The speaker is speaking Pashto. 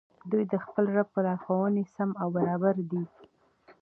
دوى د خپل رب په لارښووني سم او برابر دي